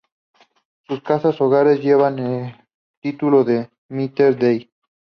Sus casa hogares llevan el título de "Mater Dei".